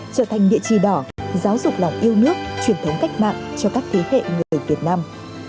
trở thành địa chỉ đỏ giáo dục lòng yêu nước truyền thống cách mạng cho các thế hệ người việt nam